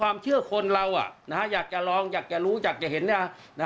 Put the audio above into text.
ความเชื่อคนเราอยากจะลองอยากจะรู้อยากจะเห็น